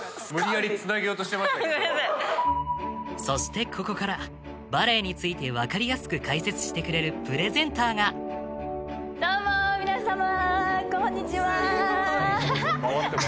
そしてここからバレエについて分かりやすく解説してくれるプレゼンターがスゴい。